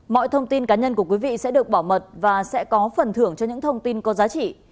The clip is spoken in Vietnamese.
mọi thông tin cá nhân của quý vị sẽ được bảo mật và sẽ có phần thưởng cho những thông tin có giá trị